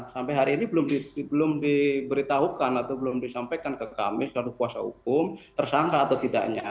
sampai hari ini belum diberitahukan atau belum disampaikan ke kami selalu kuasa hukum tersangka atau tidaknya